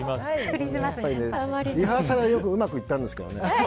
リハーサルではうまくいったんですけどね。